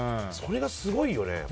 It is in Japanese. それがすごいよね。